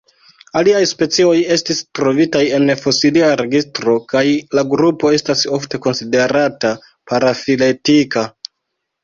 Aliaj specioj estis trovitaj en fosilia registro kaj la grupo estas ofte konsiderata parafiletika.